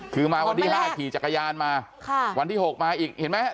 คือมาวันที่๕ขี่จักรยานมาวันที่๖มาอีกเห็นไหม